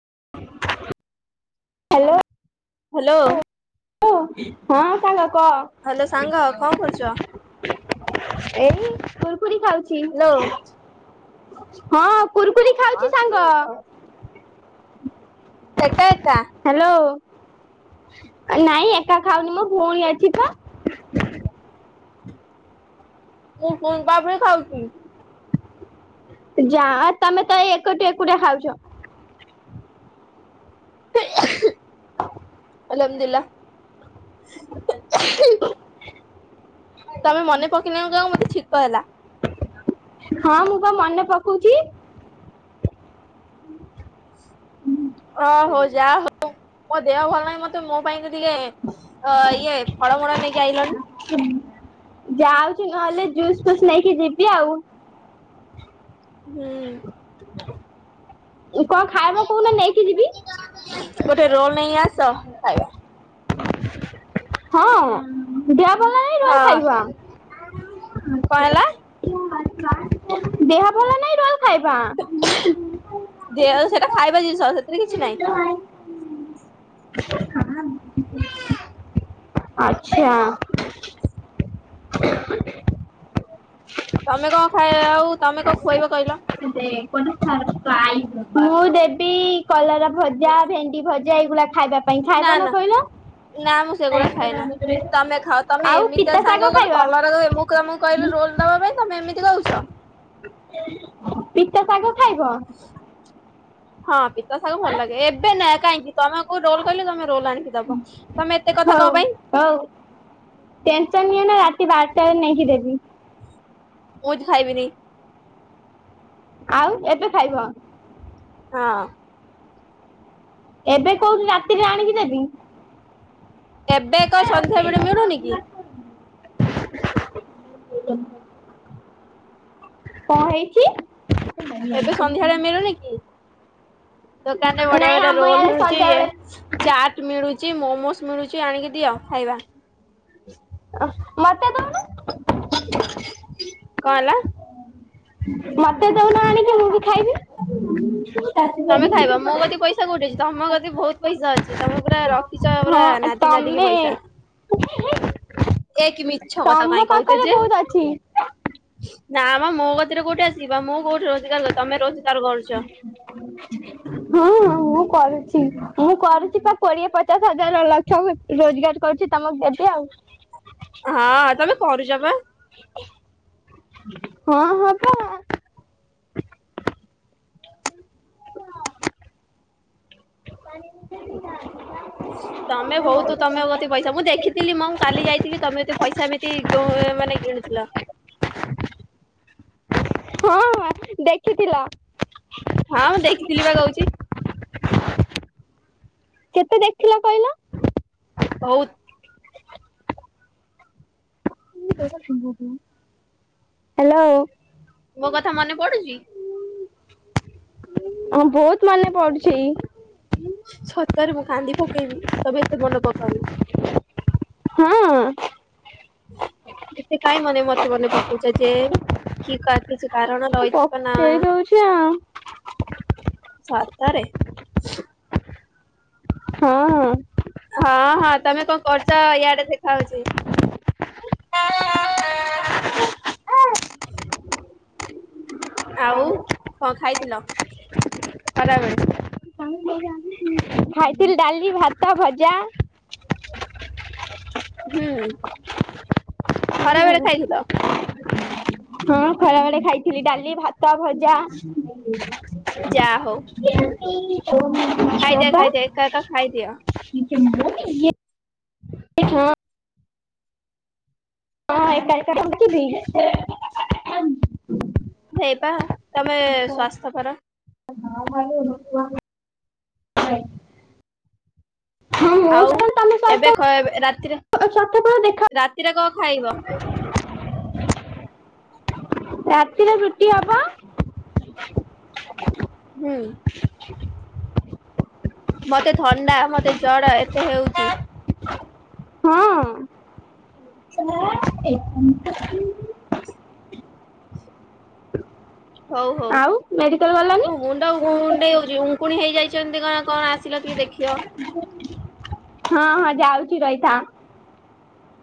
Hello. Hello. ହଁ ସାଙ୍ଗ କହ? ହାଲୋ ସାଙ୍ଗ କଣ କରୁଛ? ଏଇ କୁରପୁରୀ ଖାଉଛି। ହ୍ୟାଲୋ। ହଁ କୁୁରକୁରି ଖାଉଛି ସାଙ୍ଗ। ଏକଟା ଏକା। ହ୍ୟାଲୋ ନାଇଁ ଏକା ଖାଉନି ମୋ ପୁଣି ଅଛି ତ। ମୁ କଣ ବାପରେ ଖାଉଛୁ। ଯା ତମେ ତ ଏକଟି ଏକୁଟିଆ ଖାଉଛ। [unintelligible] ତମେ ମନେ ପକେଇକୁ ଯା ମତେ ଛିିକ ହେଲା। ହଁ ମୁଁ ପା ମନେ ପକଉଛି। ଅ ହଉ ଯାହା ହଉ ମୋ ଦେହ ଭଲ ନାହିଁ ମତେ ମୋ ପାଇଁ ତ ଟିକେ ଅ ଇଏ ଫଳମୂଳ ନେଇକି ଆଇଲଣି। ଯାଉଛି ନହେଲେ ଜୁସ୍ ଫୁସ୍ ନେଇକି ଯିବି ଆଉ। ହୁଁ। କଣ ଖାଇବା କହୁନା ନେଇକି ଯିବି? ଗୋଟେ ରୋଲ ନେଇ ଆସ ଖାଇବା। ହଁ। ଦେଆ ଭଲ ନାଇଁ ରହଲ ହଁ ଖାଇବା। କଣ ହେଲା ଦେହା ଭଲ ନାଇଁ ରଲ ଖାଇବା କଣ? ଦେ ଆଉ ସେଟା ଖାଇବା ଜିନିଷଉ ସେଥିରେ କିଛି ନାହିଁ। [unintelligible] [inaudible] ଆଚ୍ଛା। [inaudible] ତମେ କଣ ଖାଇ ଆଉ ତମେ କ ଖୁଆଇବ କହିଲ? [unintelligible] ମୁଁ ଦେବି କଲାର ଭଜା ଭେଣ୍ଡି ଭଜା ଏଇଗୁଡା ଖାଇବା ପାଇଁ ନା ଖାଇବନା ନା କହିଲ? ନା ମୁଁ ସେଗୁଡା ଖାଇଏନା ତମେ ଖାଅ ତମେ ଆଉ ଏମିତି ପିତା ଶାଗ ସାଙ୍ଗ ଗୋଟେ ଖାଇବ କଲରାମ କୁମକୁ କହିଲି ରୋଲ ଦବା ପାଇଁ ତମେ ଏମିତି କହୁଛ? ପିତା ଶାଗ ଖାଇବ? ହଁ ପିତା ସାାଗ ଭଲ ଲାଗେ ଏବେ ନ କାହିଁକି? ତମ କଉ ରୋଲ କହିଲେ ତମେ ରୋଲ ଆଣିକି ଦବ ତମେ ଏତେ କଥା ହଉ କହ ପାଇଁ? ହଉ। ଟେନସନ ନିଏ ନା ରାତି ବାରଟାରେ ନେଇକି ଦେବି। [unintelligible] ଖାଇ ବିନି। ଆଉ ଏତେ ଖାଇବ? ହଁ। ଏବେ କୋଉଠି ରାତିରେ ଆଣିକି ଦେବି ଏବେ ଏକ ସନ୍ଧ୍ୟା ବେଳେ ମିଳୁନି କି? [unintelligible] [inaudible] କଣ ହେଇଛି? ଏବେ ସନ୍ଧ୍ୟାରେ ମିଳୁନି କି ଦୋକାନରେ ବଢିଆ ନାଇଁ ବଢିଆ ଆମ ରୋଲ ଇଆଡେ ମିଳୁଛି ଇଏ ସନ୍ଧ୍ୟାବେଳେ ଚାଟ୍ ମିଳୁଛି ମୋମୋସ୍ ମିଳୁଛି ଆଣିକି ଦିଅ ଖାଇବା। [unintelligible] କଅଁ ହେଲା? ମତେ ଯଉନା ଆଣିକି ମୁଁ ବି ଖାଇବି [unintelligible] ହେ କୋଉଠି ଅଛି ତମ କତି ବହୁତ ପଇସା ଅଛି ତମେ ପୁରା ରଖିଛ ପୁରା ହଁ ନାଦି ନାଦିକି ତମେ ପଇସା। ଏକ କି ମିଛ କଥା ତମ କାଇଁ କହୁଛେ ପାଖରେ ଯେ ବହୁତ ଅଛି ନା ମ ମୋ କତିରେ କୋଉଠି ଅଛି ମୁଁ କୋଉଠି ରୋଜଗାର କରୁଛି ତମେ ରୋଜଗାର କରୁଛ ହଁ ହ ମୁଁ କରୁଛି ମୁଁ କରୁଛି କୋଡିଏ ପଚାଶ ହଜାର ଲକ୍ଷ। ସବୁ ରୋଜଗାର କରୁଚି ତମକୁ ଦେବି ଆଉ। ହଁ ତମେ କରଚବା। ହଁ ହଁ ପା। କଛ [unintelligible] ତମେ ବହୁତ ତମେ କତି ପଇସା ମୁଁ ଦେଖିି ଥିଲି ମୁଁ କାଲି ଯାଇଥିବି ତମେ ଏତେ ପଇସା ଏମିତି ଗ ମାନେ ଗିଣୁଥିଲ। ଦେଖିଥିଲା। ହଁ ମୁଁ ଦେଖିଥିଲି ବା କହୁଛି। କେତେ ଦେଖିଲ କହିଲ? ବହୁତ। ହାଲୋ ମୋ କଥା ମନେ ପଡୁଛି? ହଁ ବହୁତ ମନେ ପଡୁଛି। ସତରେ ମୁଁ କାନ୍ଦି ପକେଇବି ତମେ ଏତେ ମନ ପକାଅନି। ହଁ। ଏତେ କାହିଁ ମନେ ମତେ ମନେ ପକଉଛ ଯେ କି କା କିଛି କାରଣ ରହିଥିବ ନା? ପକେଇ ଦଉଛି ସତରେ? ହଁ ହଁ। ହଁ ହଁ ତମେ କଅଁ କରୁଛ ୟାଡେ ଦେଖା ହଉଛି। [inaudible] ହଁ ଆଉ କଅଁ ଖାଇଥିଲ ଖରାବେଳେ? [inaudible] ଖାଇଥିଲି ଡାଲି ଭାତ ଭଜା ହୁଁ ଖରା ବଳେ ଖାଇଥିଲ? ହଁ ଖରାବେଳେ ଖାଇଥିଲି ଡାଲି ଭାତ ଭଜା ଯା ହଉ। ଖାଇଦିଅ ଖାଇଦିଅ ଏକା ଏକା ଖାଇଦିଅ। [unintelligible] ହେ ହଁ। ହଁ ଏକା ଏକା [unintelligible] ହେଇପା ତମେ ସ୍ଵାର୍ଥପର। [unintelligible] ହଁ ଆଉ ମୁଁ ତମେ ଏବେ ଘରେ ରାତିରେ ସତପା ଦେଖା ରାତିରେ କଅଁ ଖାଇବ? ରାତିରେ ରୁଟି ହବ। ହୁଁ। ମତେ ଥଣ୍ଡା ମତେ ଜର ଏତେ ହେଉଚି ହଁ [inaudible] ହୋଉ ଆଉ ମେଡିକାଲ ଗଲନି ହୋଉ। ମୁଣ୍ଡ କୁଣ୍ଡେଇ ହୋଉଚି ଉଙ୍କୁଣି ହେଇଯାଇଚନ୍ତି କଣ କଣ ଆସିଲ ଟିକେ ଦେଖିବ। ହଁ ହଁ ଯାଉଚି ରହିଥା।